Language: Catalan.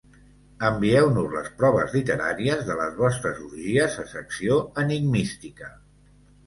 Envieu-nos les proves literàries de les vostres orgies a Secció Enigmística.